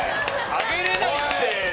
あげれないって！